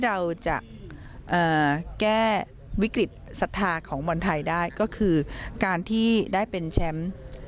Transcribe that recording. เราจะแก้วิกฤตศรัทธาของบอลไทยได้ก็คือการที่ได้เป็นแชมป์